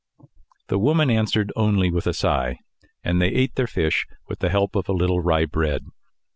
The woman answered only with a sigh, and they ate their fish with the help of a little rye bread.